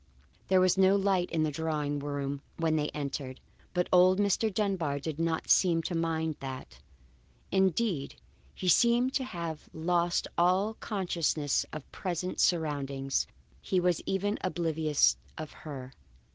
There was no light in the drawing room when they entered. But old Mr. Dunbar did not seem to mind that. Indeed, he seemed to have lost all consciousness of present surroundings; he was even oblivious of her.